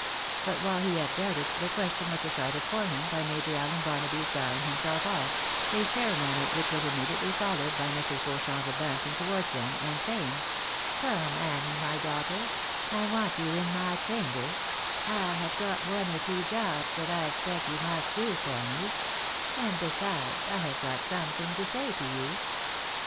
But while he yet doubted, the question was decided for him by Major AUen Barnaby's bowing himself off — a ceremony which was im mediately followed by Mrs. Beauchamp's advancing towards them, and saying —" Come, Annie, my daughter, I want you in my chamber — I have got one or two jobs that I expect you must do for me — and besides, I have got something to say to you."